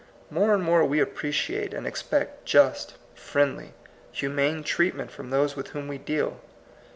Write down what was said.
More and more we appre ciate and expect just, friendly, humane treatment from those with whom we deal.